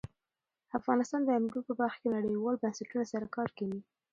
افغانستان د انګور په برخه کې نړیوالو بنسټونو سره کار کوي.